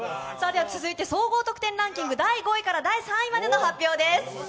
続いて、総合得点ランキング第５位から第３位までの発表です。